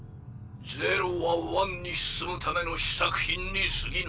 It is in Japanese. ゼロはワンに進むための試作品に過ぎぬ。